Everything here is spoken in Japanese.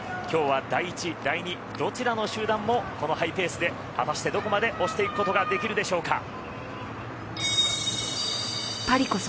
きょうは第１、第２どちらの集団もこのハイペースで果たしてどこまで押していくことができるでしょうか。